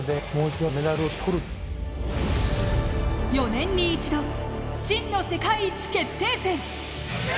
４年に一度、真の世界一決定戦。